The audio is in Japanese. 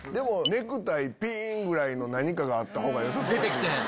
ネクタイピーン！ぐらいの何かがあった方がよさそう。